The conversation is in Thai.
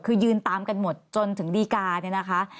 คือยืนตามกันหมดจนถึงดีการเนี่ยนะคะ